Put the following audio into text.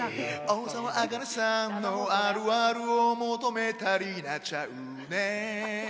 大沢あかねさんのあるあるを求めたりなっちゃうね。